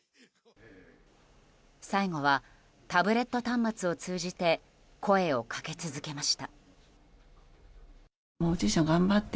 最後はタブレット端末を通じて声をかけ続けました。